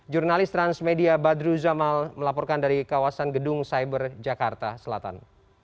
jurnalis transmedia badru zamal melaporkan dari kawasan gedung cyber jakarta selatan